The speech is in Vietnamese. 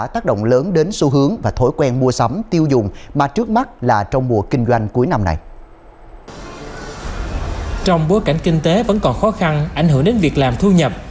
trong bối cảnh kinh tế vẫn còn khó khăn ảnh hưởng đến việc làm thu nhập